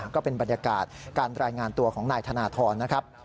ก็เป็นบรรยากาศการรายงานตัวของนายธนทรนะครับ